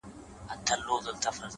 زما په خيال هري انجلۍ ته گوره،